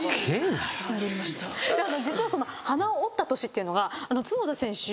実は鼻を折った年っていうのが角田選手。